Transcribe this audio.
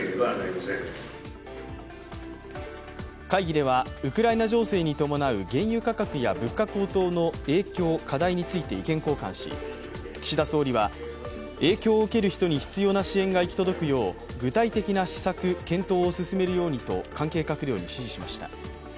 会議ではウクライナ情勢に伴う原油価格や物価高騰の影響・課題について意見交換し、岸田総理は影響を受ける人に必要な支援が行き届くよう具体的な施策・検討を進めるようにと関係閣僚に指示しました。